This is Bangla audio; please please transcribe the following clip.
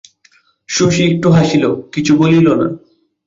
শশী একটু হাসিল, কিছু বলিল না।